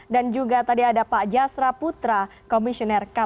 dan juga tadi ada pak jasra putra komisioner kpai